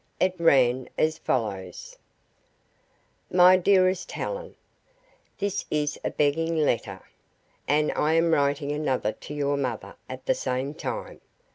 It ran as follows: "My dearest Helen, "This is a begging letter, and I am writing another to your mother at the same time.